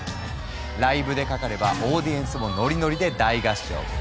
ライブでかかればオーディエンスもノリノリで大合唱！